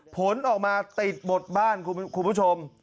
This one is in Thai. ผลออกมาติดหมดบ้านคุณผู้ชม